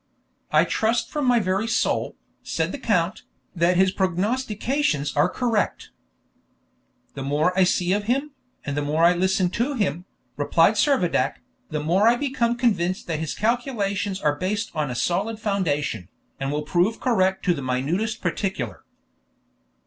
"I trust from my very soul," said the count, "that his prognostications are correct." "The more I see of him, and the more I listen to him," replied Servadac, "the more I become convinced that his calculations are based on a solid foundation, and will prove correct to the minutest particular."